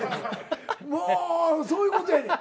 もうそういうことやねん。